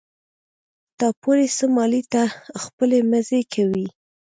تا پورې څه مالې ته خپلې مزې کوه.